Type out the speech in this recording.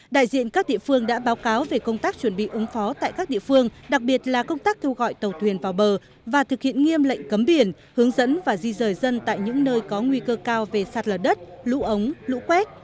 đại diện các địa phương đã báo cáo về công tác chuẩn bị ứng phó tại các địa phương đặc biệt là công tác kêu gọi tàu thuyền vào bờ và thực hiện nghiêm lệnh cấm biển hướng dẫn và di rời dân tại những nơi có nguy cơ cao về sạt lở đất lũ ống lũ quét